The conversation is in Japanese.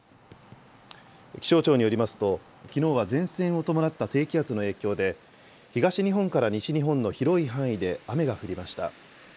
気象庁によりますと、きのうは前線を伴った低気圧の影響で、東日本から西日本の広い範囲で雨が降りました。